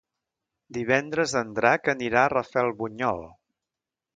Divendres en Drac anirà a Rafelbunyol.